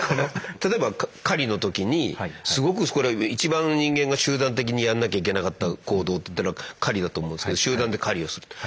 例えば狩りの時にすごくこれは一番人間が集団的にやんなきゃいけなかった行動っていったら狩りだと思うんですけど集団で狩りをすると。